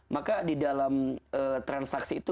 maka di dalam transaksi itu